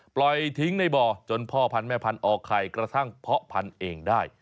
ปล่อยทิ้งในบ่อจนพ่อพันธุ์แม่พันธุ์ออกไข่กระทั่งเพาะพันธุ์เองได้